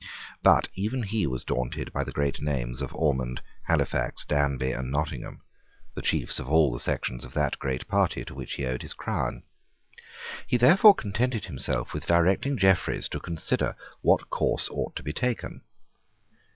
But even he was daunted by the great names of Ormond, Halifax, Danby, and Nottingham, the chiefs of all the sections of that great party to which he owed his crown. He therefore contented himself with directing Jeffreys to consider what course ought to be taken.